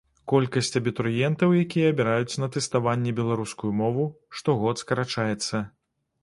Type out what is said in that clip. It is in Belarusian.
Колькасць абітурыентаў, якія абіраюць на тэставанні беларускую мову, штогод скарачаецца.